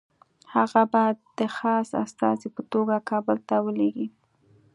هغه به د خاص استازي په توګه کابل ته ولېږي.